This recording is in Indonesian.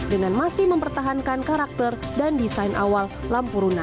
dengan masih mempertahankan karakter dan desain awal lampunya